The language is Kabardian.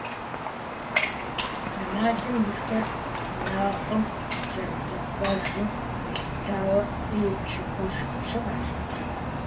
Анэлым и фэм, и инагъым зэрызихъуэжым елъытауэ, «Ӏей» щыхъуж щыӀэщ.